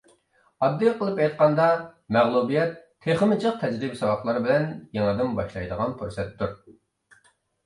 ئاددىي قىلىپ ئېيتقاندا مەغلۇبىيەت تېخىمۇ جىق تەجرىبە-ساۋاقلار بىلەن يېڭىدىن باشلايدىغان پۇرسەتتۇر.